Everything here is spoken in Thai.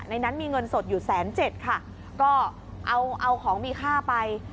ในนั้นมีเงินสดอยู่แสนเจ็ดค่ะก็เอาเอาของมีค่าไป